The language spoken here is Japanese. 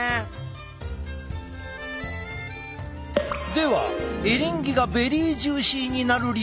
ではエリンギがベリージューシーになる理由